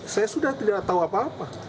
saya sudah tidak tahu apa apa